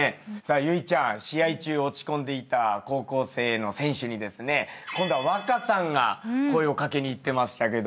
由依ちゃん試合中落ち込んでいた高校生の選手にですね今度は稚さんが声を掛けにいってましたけど。